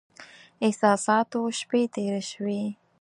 احساساتو شپې تېرې شوې.